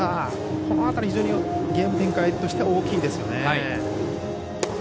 この辺り非常にゲーム展開としては大きいですよね。